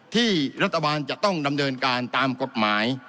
ที่รัฐบาลจะต้องดำเนินการตามกฎหมาย